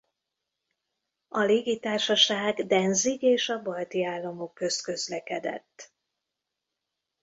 A légitársaság Danzig és a balti államok közt közlekedett.